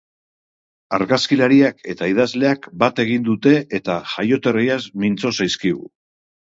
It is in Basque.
Argazkilariak eta idazleak bat egin dute eta jaioterriaz mintzo zaizkigu.